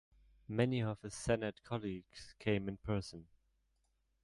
Many of his Senate colleagues came in person.